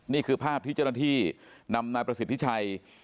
นี่คือภาพที่เจ้าหน้าที่นำนายประสิทธิชัย